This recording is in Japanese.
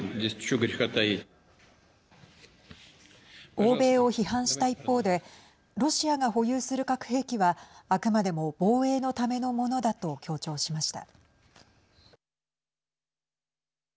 欧米を批判した一方でロシアが保有する核兵器はあくまでも防衛のためのものだと強調しました。